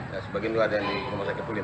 dan sebagian juga ada yang di rumah sakit pulim